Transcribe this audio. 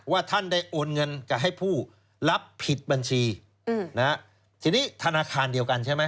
ท่านได้โอนเงินกับให้ผู้รับผิดบัญชีอืมนะฮะทีนี้ธนาคารเดียวกันใช่ไหม